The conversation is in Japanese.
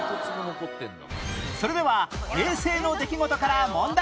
それでは平成の出来事から問題